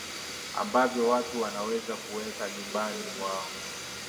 ambavyo watu wanaweza kuweka nyumbani mwao